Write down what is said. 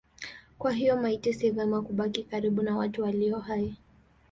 Kwa hiyo maiti si vema kubaki karibu na watu walio hai.